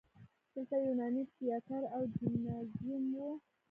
دلته یوناني تیاتر او جیمنازیوم و